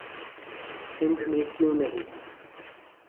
سندھ میں کیوں نہیں؟